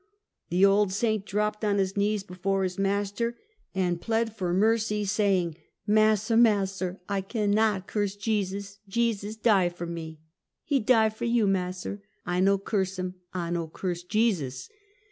The old saint dropped on his knees before his master, and plead for mercy, saying: "Massa! Massa! I cannot curse Jesus! Jesus die for me! He die for you, Massa. I no curse him; I no curse Jesus!"